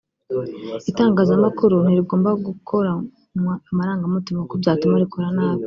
Itangazamakuru ntirigomba gukoranwa amarangamutima kuko byatuma rikora nabi